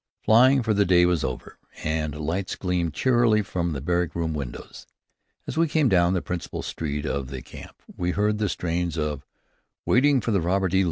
Flying for the day was over, and lights gleamed cheerily from the barrack room windows. As we came down the principal street of the camp, we heard the strains of "Waiting for the Robert E.